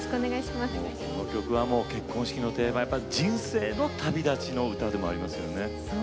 この曲は結婚式の定番人生の旅立ちの歌でもありますね。